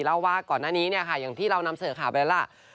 เล่าว่าก่อนหน้านี้เนี่ยค่ะอย่างที่เรานำเสนอข่าวไปแล้วล่ะ